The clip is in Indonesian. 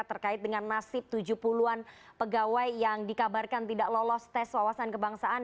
terkait dengan nasib tujuh puluh an pegawai yang dikabarkan tidak lolos tes wawasan kebangsaan